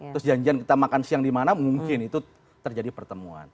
terus janjian kita makan siang dimana mungkin itu terjadi pertemuan